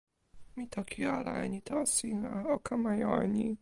mi toki ala e ni tawa sina: o kama jo e ni.